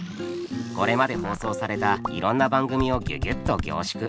これまで放送されたいろんな番組をギュギュッと凝縮。